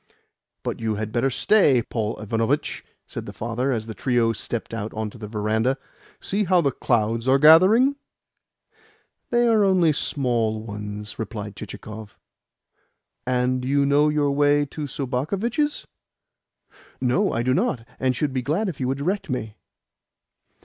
"But you had better stay, Paul Ivanovitch," said the father as the trio stepped out on to the verandah. "See how the clouds are gathering!" "They are only small ones," replied Chichikov. "And you know your way to Sobakevitch's?" "No, I do not, and should be glad if you would direct me."